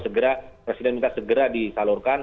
segera presiden minta segera disalurkan